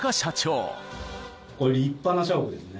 立派な社屋ですね。